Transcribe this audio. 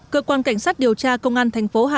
cơ quan cảnh sát điều tra công an thành phố hà nội